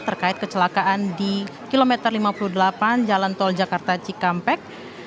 terkait kecelakaan di kilometer lima puluh delapan jalan tol jakarta cikampek